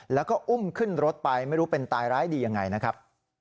แล้วก็อุ้มขึ้นรถไปไม่รู้เป็นตายร้ายดียังไงนะครับ